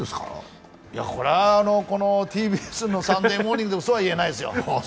これはＴＢＳの「サンデーモーニング」でも、うそは言えないですよ。